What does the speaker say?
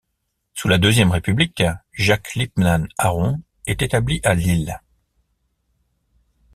Sous la Deuxième République, Jacques Lippmann-Aron est établi à Lille.